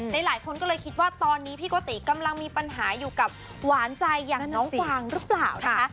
หลายคนก็เลยคิดว่าตอนนี้พี่โกติกำลังมีปัญหาอยู่กับหวานใจอย่างน้องกวางหรือเปล่านะคะ